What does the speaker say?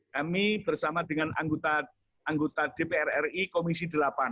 kami bersama dengan anggota dpr ri komisi delapan